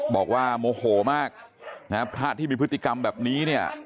บอกว่าโมโหมากนะฮะพระที่มีพฤติกรรมแบบนี้เนี่ย